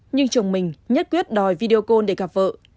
nhưng chồng mình nhất quyết đòi video để gặp vợ